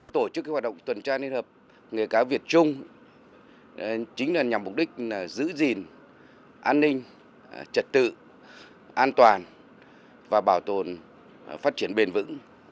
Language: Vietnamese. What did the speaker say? tổ chức hoạt động tuần tra liên hợp nghề cáo việt trung chính là nhằm mục đích giữ gìn an ninh trật tự an toàn và bảo tồn phát triển bền vững